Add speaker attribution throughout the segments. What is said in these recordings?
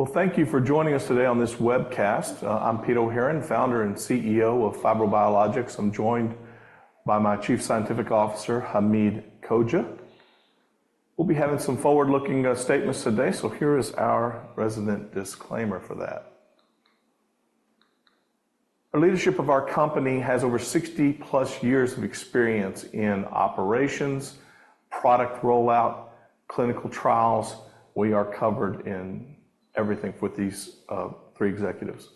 Speaker 1: Well, thank you for joining us today on this webcast. I'm Pete O'Heeron, founder and CEO of FibroBiologics. I'm joined by my Chief Scientific Officer, Hamid Khoja. We'll be having some forward-looking statements today, so here is our resident disclaimer for that. The leadership of our company has over 60+ years of experience in operations, product rollout, clinical trials. We are covered in everything with these three executives.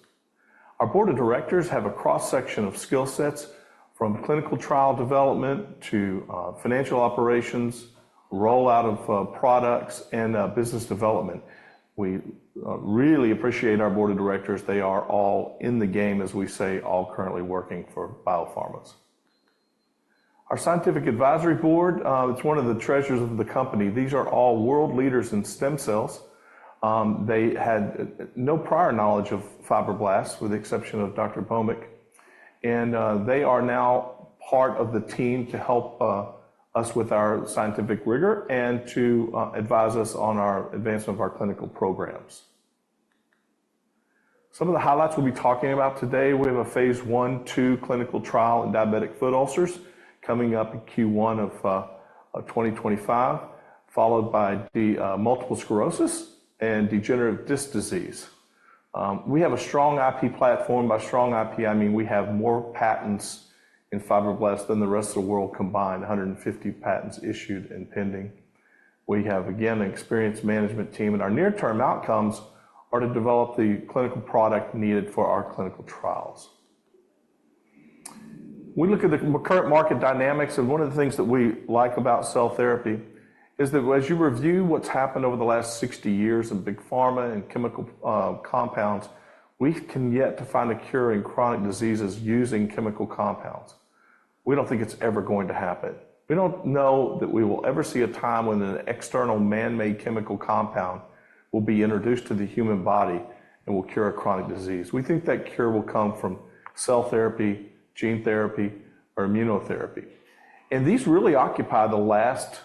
Speaker 1: Our board of directors have a cross-section of skill sets, from clinical trial development to financial operations, rollout of products, and business development. We really appreciate our board of directors. They are all in the game, as we say, all currently working for biopharmas. Our scientific advisory board, it's one of the treasures of the company. These are all world leaders in stem cells. They had no prior knowledge of fibroblasts, with the exception of Dr. Bhowmick, and they are now part of the team to help us with our scientific rigor and to advise us on our advancement of our clinical programs. Some of the highlights we'll be talking about today, we have a phase I/II clinical trial in diabetic foot ulcers coming up in Q1 of 2025, followed by the multiple sclerosis and degenerative disc disease. We have a strong IP platform. By strong IP, I mean we have more patents in fibroblasts than the rest of the world combined, 150 patents issued and pending. We have, again, an experienced management team, and our near-term outcomes are to develop the clinical product needed for our clinical trials. We look at the current market dynamics, and one of the things that we like about cell therapy is that as you review what's happened over the last 60 years in big pharma and chemical compounds, we've come yet to find a cure in chronic diseases using chemical compounds. We don't think it's ever going to happen. We don't know that we will ever see a time when an external man-made chemical compound will be introduced to the human body and will cure a chronic disease. We think that cure will come from cell therapy, gene therapy, or immunotherapy, and these really occupy the last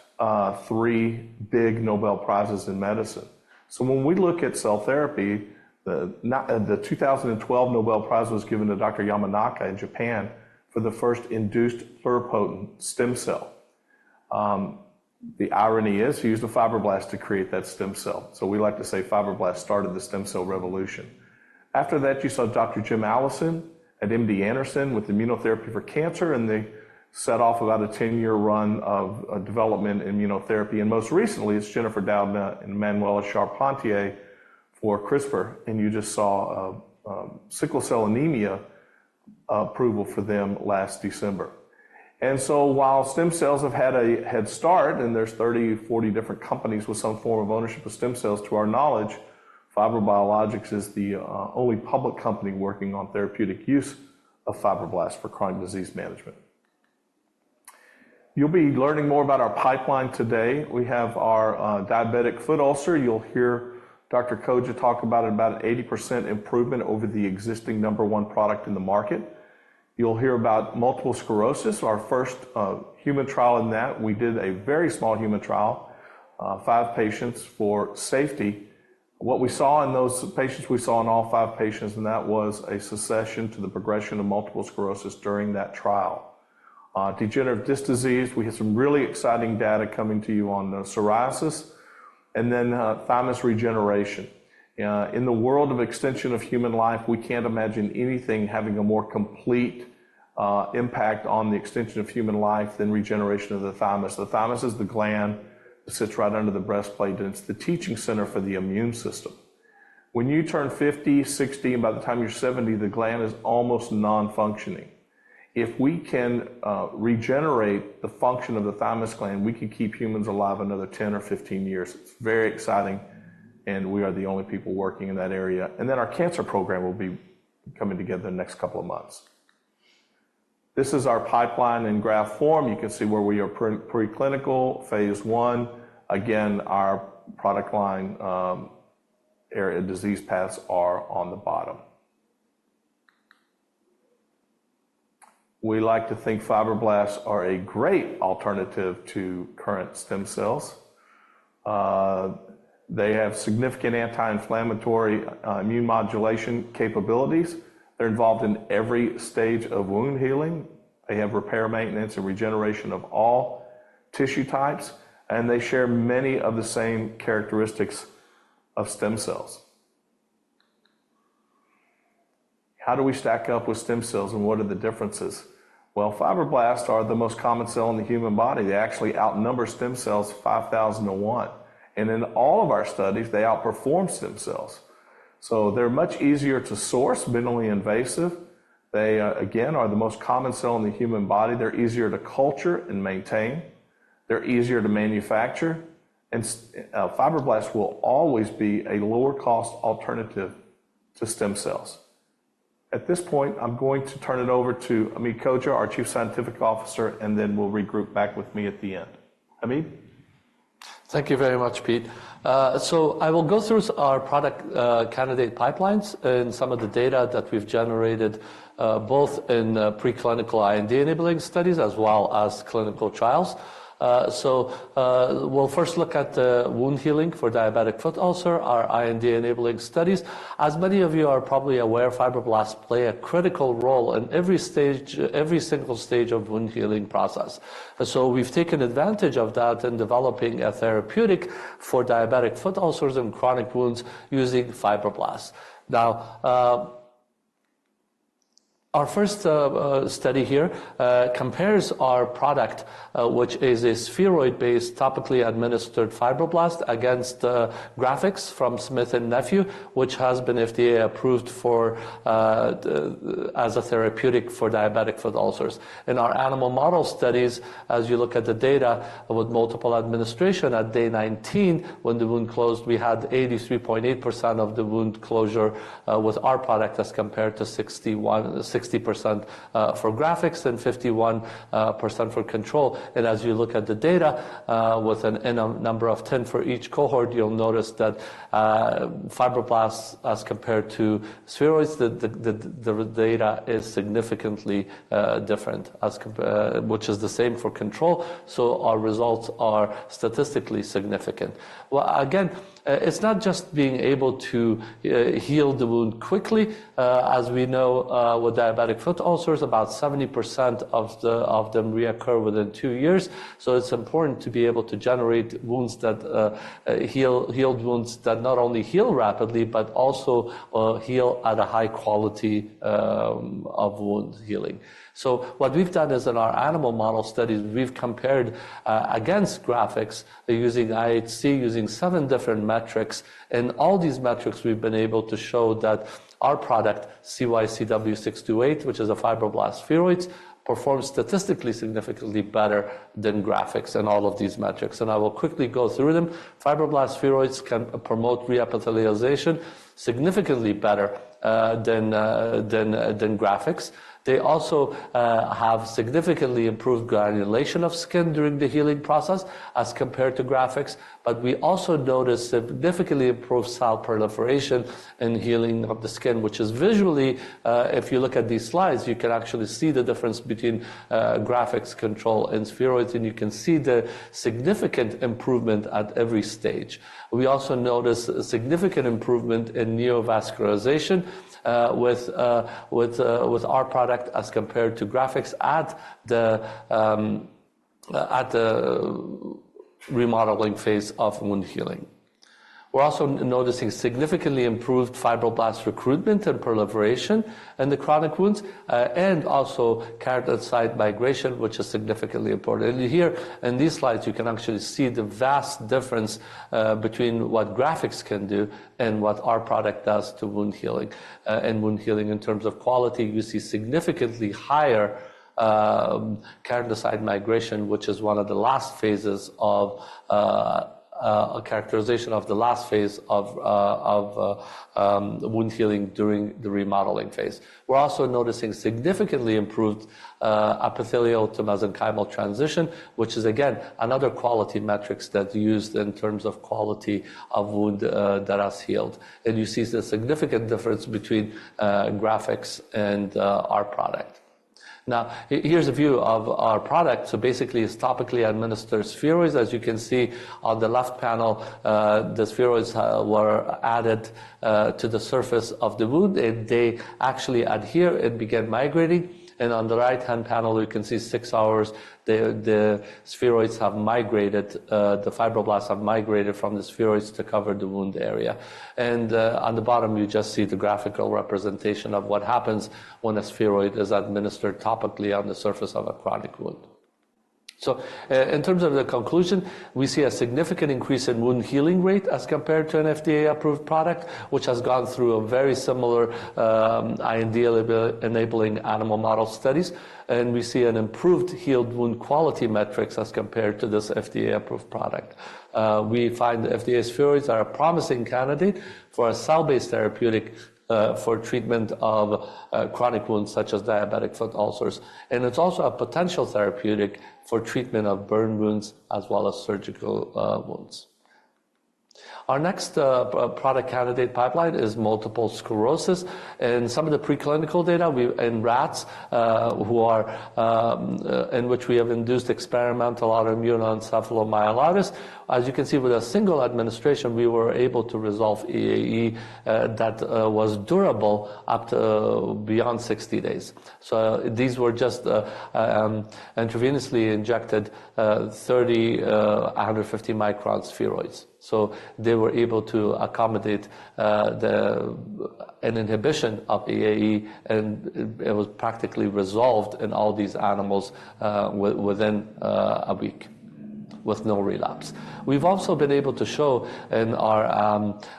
Speaker 1: three big Nobel Prizes in medicine. So when we look at cell therapy, the 2012 Nobel Prize was given to Dr. Yamanaka in Japan for the first induced pluripotent stem cell. The irony is he used a fibroblast to create that stem cell, so we like to say fibroblasts started the stem cell revolution. After that, you saw Dr. Jim Allison at MD Anderson with immunotherapy for cancer, and they set off about a 10-year run of development in immunotherapy, and most recently, it's Jennifer Doudna and Emmanuelle Charpentier for CRISPR, and you just saw a sickle cell anemia approval for them last December. So while stem cells have had a head start, and there's 30, 40 different companies with some form of ownership of stem cells, to our knowledge, FibroBiologics is the only public company working on therapeutic use of fibroblasts for chronic disease management. You'll be learning more about our pipeline today. We have our diabetic foot ulcer. You'll hear Dr. Khoja talk about it, about an 80% improvement over the existing number one product in the market. You'll hear about multiple sclerosis, our first human trial in that. We did a very small human trial, five patients for safety. What we saw in those patients, we saw in all five patients, and that was a cessation to the progression of multiple sclerosis during that trial. Degenerative disc disease, we have some really exciting data coming to you on psoriasis and then thymus regeneration. In the world of extension of human life, we can't imagine anything having a more complete impact on the extension of human life than regeneration of the thymus. The thymus is the gland that sits right under the breastplate, and it's the teaching center for the immune system. When you turn 50, 60, and by the time you're 70, the gland is almost non-functioning. If we can regenerate the function of the thymus gland, we can keep humans alive another 10 or 15 years. It's very exciting, and we are the only people working in that area. And then our cancer program will be coming together in the next couple of months. This is our pipeline in graph form. You can see where we are preclinical, phase I. Again, our product line, area disease paths are on the bottom. We like to think fibroblasts are a great alternative to current stem cells. They have significant anti-inflammatory, immune modulation capabilities. They're involved in every stage of wound healing. They have repair, maintenance, and regeneration of all tissue types, and they share many of the same characteristics of stem cells. How do we stack up with stem cells, and what are the differences? Well, fibroblasts are the most common cell in the human body. They actually outnumber stem cells 5,000 to one, and in all of our studies, they outperform stem cells. So they're much easier to source, minimally invasive. They again are the most common cell in the human body. They're easier to culture and maintain, they're easier to manufacture, and fibroblasts will always be a lower-cost alternative to stem cells. At this point, I'm going to turn it over to Hamid Khoja, our Chief Scientific Officer, and then we'll regroup back with me at the end. Hamid?
Speaker 2: Thank you very much, Pete. So I will go through our product candidate pipelines and some of the data that we've generated both in preclinical IND-enabling studies as well as clinical trials. We'll first look at the wound healing for diabetic foot ulcer, our IND-enabling studies. As many of you are probably aware, fibroblasts play a critical role in every stage, every single stage of wound healing process. So we've taken advantage of that in developing a therapeutic for diabetic foot ulcers and chronic wounds using fibroblasts. Now, our first study here compares our product, which is a spheroid-based, topically administered fibroblast, against Grafix from Smith & Nephew, which has been FDA-approved for as a therapeutic for diabetic foot ulcers. In our animal model studies, as you look at the data with multiple administration, at day 19, when the wound closed, we had 83.8% of the wound closure with our product, as compared to 60% for Grafix and 51% for control. As you look at the data with an n, a number of 10 for each cohort, you'll notice that fibroblasts as compared to spheroids, the data is significantly different, which is the same for control, so our results are statistically significant. Well, again, it's not just being able to heal the wound quickly. As we know, with diabetic foot ulcers, about 70% of them reoccur within 2 years. So it's important to be able to generate healed wounds that not only heal rapidly, but also heal at a high quality of wound healing. So what we've done is in our animal model studies, we've compared against Grafix using IHC, using seven different metrics, and all these metrics, we've been able to show that our product, CYWC628, which is a fibroblast spheroid, performs statistically significantly better than Grafix in all of these metrics, and I will quickly go through them. Fibroblast spheroids can promote re-epithelialization significantly better than Grafix. They also have significantly improved granulation of skin during the healing process as compared to Grafix. We also noticed significantly improved cell proliferation and healing of the skin, which is visually, if you look at these slides, you can actually see the difference between Grafix, control, and spheroids, and you can see the significant improvement at every stage. We also noticed a significant improvement in neovascularization with our product as compared to Grafix at the remodeling phase of wound healing. We're also noticing significantly improved fibroblast recruitment and proliferation in the chronic wounds, and also keratinocyte migration, which is significantly important. And here in these slides, you can actually see the vast difference between what Grafix can do and what our product does to wound healing. And wound healing in terms of quality, you see significantly higher keratinocyte migration, which is one of the last phases of wound healing during the remodeling phase. We're also noticing significantly improved epithelial-mesenchymal transition, which is, again, another quality metric that's used in terms of quality of wound that has healed. And you see the significant difference between Grafix and our product. Now, here's a view of our product. So basically, it's topically administered spheroids. As you can see on the left panel, the spheroids were added to the surface of the wound, and they actually adhere and begin migrating. On the right-hand panel, you can see 6 hours, the spheroids have migrated, the fibroblasts have migrated from the spheroids to cover the wound area. And on the bottom, you just see the graphical representation of what happens when a spheroid is administered topically on the surface of a chronic wound. In terms of the conclusion, we see a significant increase in wound healing rate as compared to an FDA-approved product, which has gone through a very similar IND-enabling animal model studies, and we see an improved healed wound quality metrics as compared to this FDA-approved product. We find FDA spheroids are a promising candidate for a cell-based therapeutic for treatment of chronic wounds such as diabetic foot ulcers, and it's also a potential therapeutic for treatment of burn wounds as well as surgical wounds. Our next product candidate pipeline is multiple sclerosis. In some of the preclinical data, In rats in which we have induced experimental autoimmune encephalomyelitis, as you can see, with a single administration, we were able to resolve EAE that was durable up to beyond 60 days. So these were just intravenously injected 30-150 micron spheroids. So they were able to accommodate an inhibition of EAE, and it, it was practically resolved in all these animals within a week with no relapse. We've also been able to show in our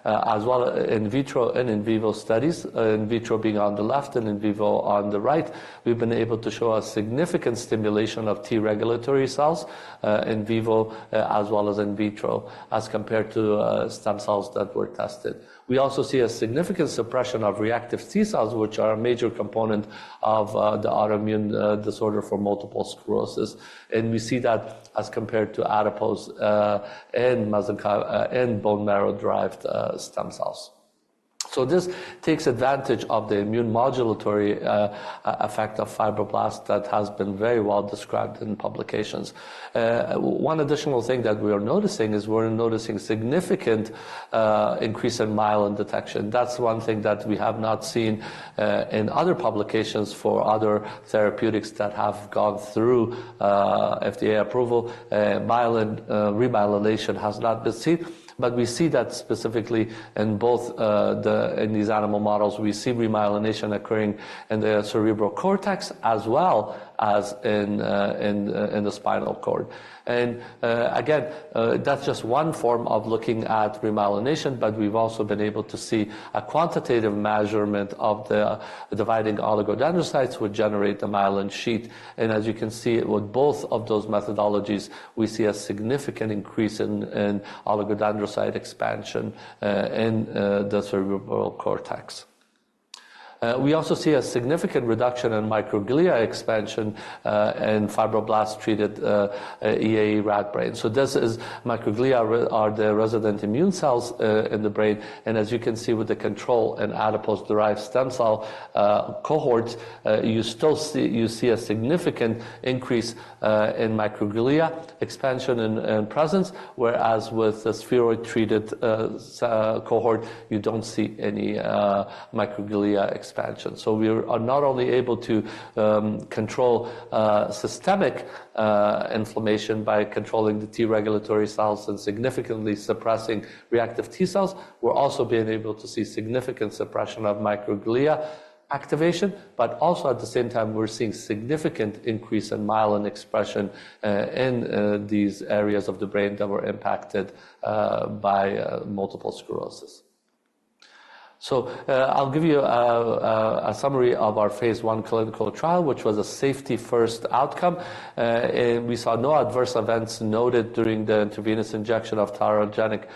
Speaker 2: as well in vitro and in vivo studies, in vitro being on the left and in vivo on the right, we've been able to show a significant stimulation of T-regulatory cells in vivo as well as in vitro as compared to stem cells that were tested. We also see a significant suppression of reactive T cells, which are a major component of the autoimmune disorder for multiple sclerosis, and we see that as compared to adipose and mesenchymal and bone marrow-derived stem cells. So this takes advantage of the immune modulatory effect of fibroblasts that has been very well described in publications. One additional thing that we are noticing is we're noticing significant increase in myelin detection. That's one thing that we have not seen in other publications for other therapeutics that have gone through FDA approval. Myelin remyelination has not been seen, but we see that specifically in both in these animal models, we see remyelination occurring in the cerebral cortex as well as in the spinal cord. And again, that's just one form of looking at remyelination, but we've also been able to see a quantitative measurement of the dividing oligodendrocytes, which generate the myelin sheath. And as you can see, with both of those methodologies, we see a significant increase in oligodendrocyte expansion in the cerebral cortex. We also see a significant reduction in microglia expansion in fibroblast-treated EAE rat brain. So this is, microglia are the resident immune cells in the brain, and as you can see with the control and adipose-derived stem cell cohort, you still see, you see a significant increase in microglia expansion and, and presence, whereas with the spheroid-treated cohort, you don't see any microglia expansion. So we are not only able to control systemic inflammation by controlling the T-regulatory cells and significantly suppressing reactive T cells, we're also being able to see significant suppression of microglia activation. But also, at the same time, we're seeing significant increase in myelin expression in these areas of the brain that were impacted by multiple sclerosis. So I'll give you a summary of our phase I clinical trial, which was a safety-first outcome. And we saw no adverse events noted during the intravenous injection of pyrogenic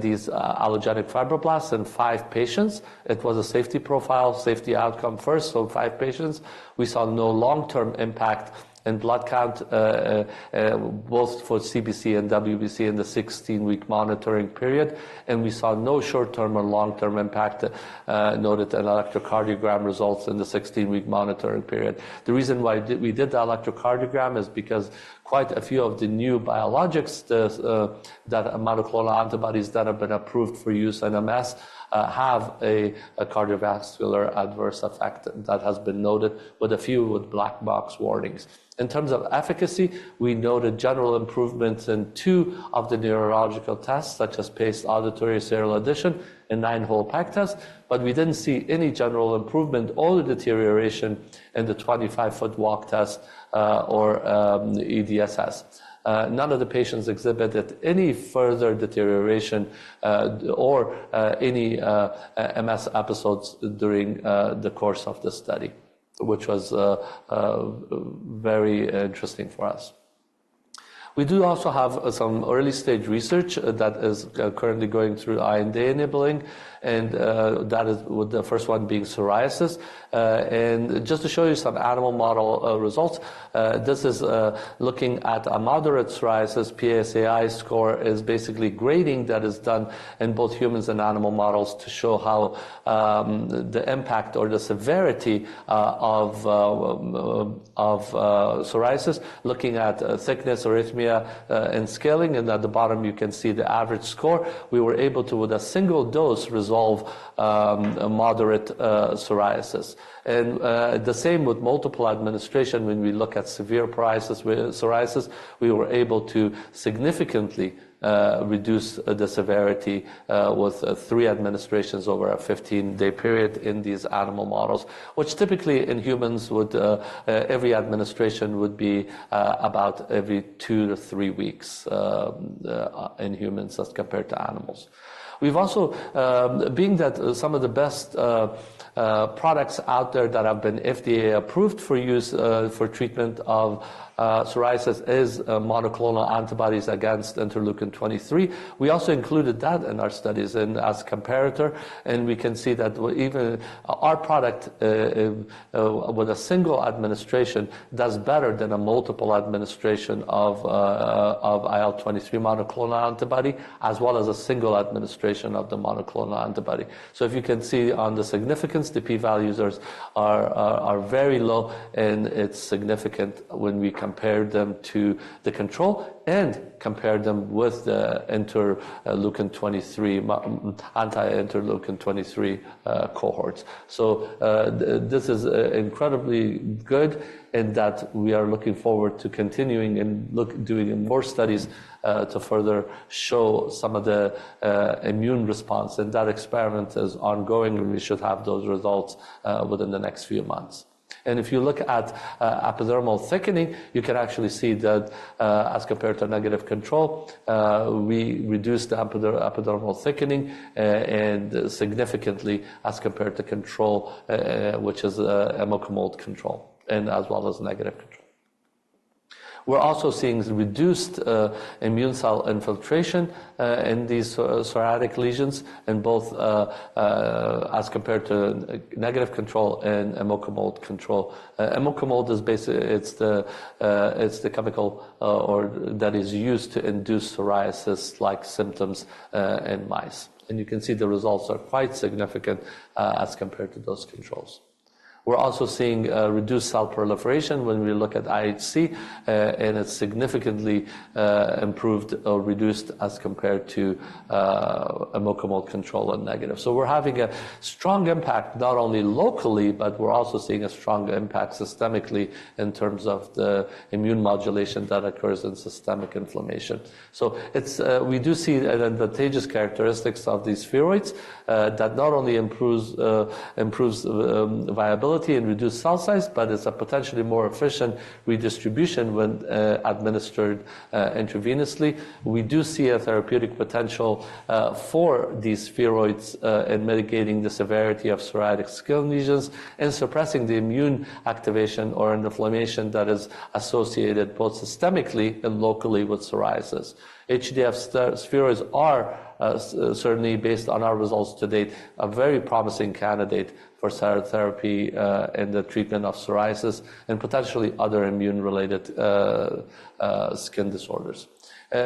Speaker 2: these allogeneic fibroblasts in five patients. It was a safety profile, safety outcome first. Five patients, we saw no long-term impact in blood count both for CBC and WBC in the 16-week monitoring period, and we saw no short-term or long-term impact noted in electrocardiogram results in the 16-week monitoring period. The reason why we did the electrocardiogram is because quite a few of the new biologics that monoclonal antibodies that have been approved for use in MS have a cardiovascular adverse effect that has been noted with a few with black box warnings. In terms of efficacy, we noted general improvements in two of the neurological tests, such as Paced Auditory Serial Addition and Nine-Hole Peg Test, but we didn't see any general improvement or deterioration in the 25-foot walk test, or EDSS. None of the patients exhibited any further deterioration, or any MS episodes during the course of the study, which was very interesting for us. We do also have some early-stage research that is currently going through IND-enabling, and that is with the first one being psoriasis. And just to show you some animal model results, this is looking at a moderate psoriasis PASI score. PASI score is basically grading that is done in both humans and animal models to show how the impact or the severity of psoriasis, looking at thickness, erythema, and scaling, and at the bottom, you can see the average score. We were able to, with a single dose, resolve a moderate psoriasis. And the same with multiple administration, when we look at severe psoriasis, with psoriasis, we were able to significantly reduce the severity with three administrations over a 15-day period in these animal models, which typically in humans would every administration would be about every two to three weeks in humans as compared to animals. We've also, being that some of the best, products out there that have been FDA approved for use, for treatment of, psoriasis is, monoclonal antibodies against interleukin-23. We also included that in our studies and as comparator, and we can see that even our product, with a single administration, does better than a multiple administration of, of IL-23 monoclonal antibody, as well as a single administration of the monoclonal antibody. So if you can see on the significance, the p-values are very low, and it's significant when we compare them to the control and compare them with the interleukin-23, anti-interleukin-23, cohorts. So, this is, incredibly good in that we are looking forward to continuing and doing more studies, to further show some of the, immune response. That experiment is ongoing, and we should have those results within the next few months. If you look at epidermal thickening, you can actually see that as compared to a negative control, we reduced the epidermal thickening, and significantly as compared to control, which is imiquimod control and as well as negative control. We're also seeing reduced immune cell infiltration in these psoriatic lesions and both as compared to negative control and imiquimod control. Imiquimod is basically, it's the, it's the chemical or that is used to induce psoriasis-like symptoms in mice. You can see the results are quite significant as compared to those controls. We're also seeing reduced cell proliferation when we look at IHC, and it's significantly improved or reduced as compared to an imiquimod control and negative. So we're having a strong impact, not only locally, but we're also seeing a strong impact systemically in terms of the immune modulation that occurs in systemic inflammation. We do see an advantageous characteristics of these spheroids that not only improves viability and reduced cell size, but it's a potentially more efficient redistribution when administered intravenously. We do see a therapeutic potential for these spheroids in mitigating the severity of psoriatic skin lesions and suppressing the immune activation or inflammation that is associated both systemically and locally with psoriasis. HDF spheroids are certainly based on our results to date, a very promising candidate for cell therapy in the treatment of psoriasis and potentially other immune-related skin disorders.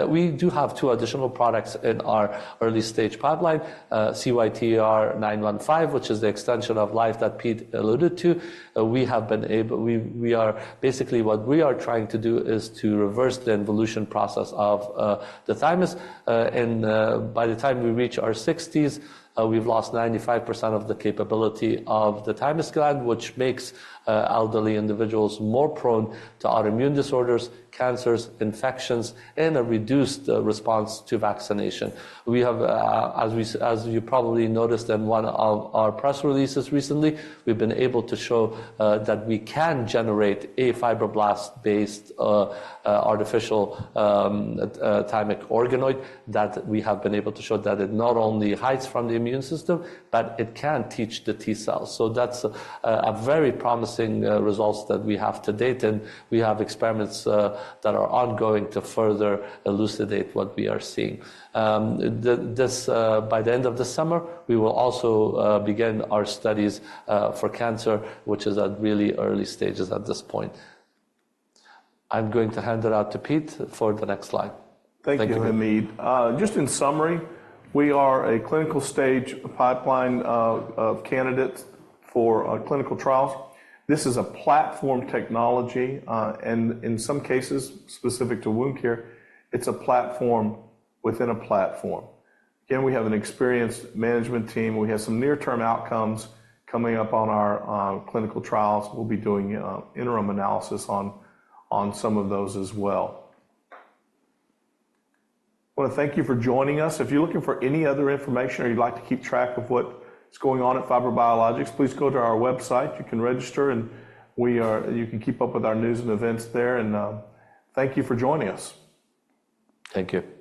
Speaker 2: We do have two additional products in our early-stage pipeline, CYTR915, which is the extension of life that Pete alluded to. Basically, what we are trying to do is to reverse the involution process of the thymus, and by the time we reach our sixties, we've lost 95% of the capability of the thymus gland, which makes elderly individuals more prone to autoimmune disorders, cancers, infections, and a reduced response to vaccination. We have, as you probably noticed in one of our press releases recently, we've been able to show that we can generate a fibroblast-based artificial thymic organoid, that we have been able to show that it not only hides from the immune system, but it can teach the T cells. So that's a very promising results that we have to date, and we have experiments that are ongoing to further elucidate what we are seeing. This, by the end of the summer, we will also begin our studies for cancer, which is at really early stages at this point. I'm going to hand it out to Pete for the next slide.
Speaker 1: Thank you, Hamid.
Speaker 2: Thank you.
Speaker 1: Just in summary, we are a clinical stage pipeline of candidates for clinical trials. This is a platform technology, and in some cases specific to wound care, it's a platform within a platform. Again, we have an experienced management team. We have some near-term outcomes coming up on our clinical trials. We'll be doing interim analysis on some of those as well. I wanna thank you for joining us. If you're looking for any other information, or you'd like to keep track of what is going on at FibroBiologics, please go to our website. You can register, and we are—you can keep up with our news and events there, and thank you for joining us.
Speaker 2: Thank you.